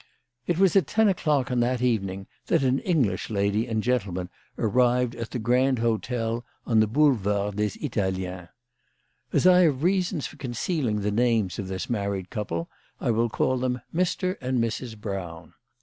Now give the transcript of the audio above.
It was at ten o'clock on that evening that an English lady and gentleman arrived at the Grand Hotel on the Boulevard des Italiens. As I have reasons for concealing the names of this married couple I will call them Mr. and Mrs. Brown.